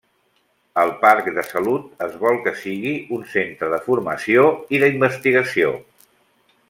El Parc de Salut es vol que sigui un centre de formació i d'investigació.